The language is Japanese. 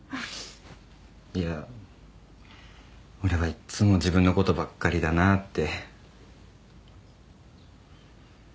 いや俺はいっつも自分の事ばっかりだなあって。